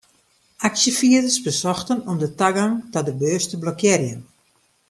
Aksjefierders besochten om de tagong ta de beurs te blokkearjen.